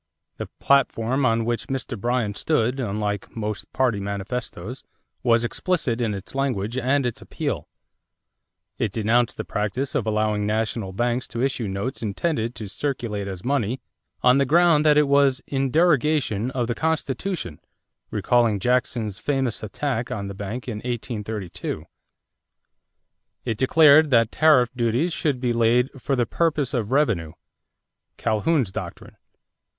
The platform on which Mr. Bryan stood, unlike most party manifestoes, was explicit in its language and its appeal. It denounced the practice of allowing national banks to issue notes intended to circulate as money on the ground that it was "in derogation of the Constitution," recalling Jackson's famous attack on the Bank in 1832. It declared that tariff duties should be laid "for the purpose of revenue" Calhoun's doctrine.